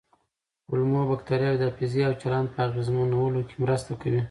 کولمو بکتریاوې د حافظې او چلند په اغېزمنولو کې مرسته کوي.